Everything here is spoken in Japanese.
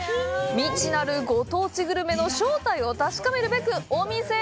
未知なるご当地グルメの正体を確かめるべく、お店へ。